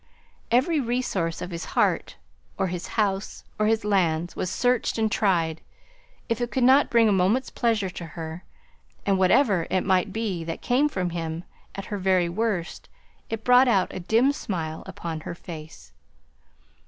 Every resource of his heart, or his house, or his lands was searched and tried, if it could bring a moment's pleasure to her; and whatever it might be that came from him, at her very worst time, it brought out a dim smile upon her face.